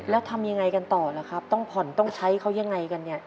แล้วทำยังไงกันต่อล่ะครับต้องผ่อนต้องใช้เขายังไงกันเนี่ย